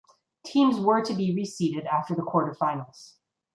Teams were to be reseeded after the quarterfinals.